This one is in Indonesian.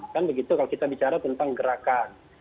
kan begitu kalau kita bicara tentang gerakan